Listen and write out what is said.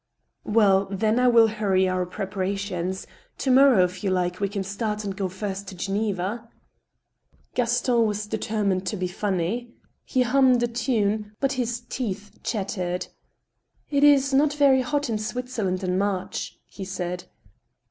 " Well, then, I will hurry our preparations. To morrow, if yoii like, we can start, and go first to Geneva." 6o THE STEEL HAMMER. Gaston was'determined to be funny. He hummed a tune, but his teeth chattered. " It is not very hot in Switzerland in March," he said.